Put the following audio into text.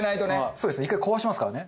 そうですね１回壊しますからね。